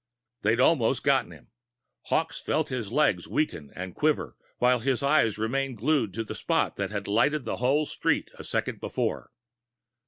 They'd almost gotten him! Hawkes felt his legs weaken and quiver, while his eyes remained glued to the spot that had lighted the whole street a second before.